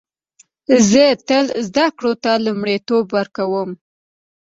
زه تل زده کړو ته لومړیتوب ورکوم